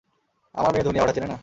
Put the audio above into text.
আমার মেয়ে ধনিয়া বাটা চেনে না?